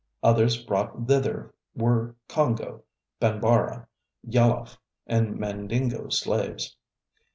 Others brought thither were Congo, Banbara, Yaloff, and Mandingo slaves.